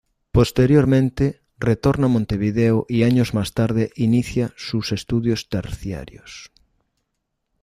Posteriormente, retorna a Montevideo y años más tarde inicia sus estudios terciarios.